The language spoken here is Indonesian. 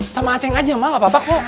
sama asing aja ma gak apa apa kok